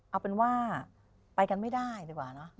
เอาเป็นว่าไปกันไม่ได้ดีกว่าเนอะ